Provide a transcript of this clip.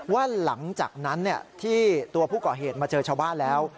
ว่าหลังจากนั้นที่ตัวผู้ก่อเหตุมาเจอชาวบ้านแล้ว